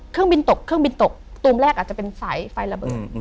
เครื่องบินตกเครื่องบินตกตูมแรกอาจจะเป็นสายไฟระเบิด